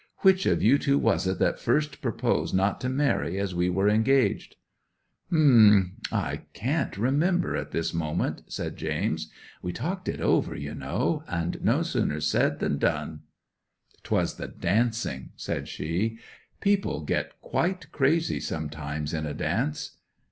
Which of you two was it that first proposed not to marry as we were engaged?" '"H'm—I can't remember at this moment," says James. "We talked it over, you know; and no sooner said than done." '"'Twas the dancing," said she. "People get quite crazy sometimes in a dance."